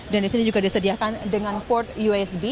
dan disini juga disediakan dengan port usb